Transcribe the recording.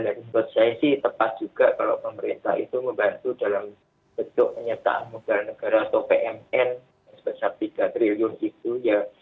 dan menurut saya sih tepat juga kalau pemerintah itu membantu dalam bentuk menyertakan modal negara atau pmn sebesar tiga triliun itu ya